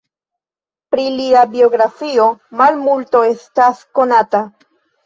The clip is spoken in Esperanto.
Pri lia biografio malmulto estas konata.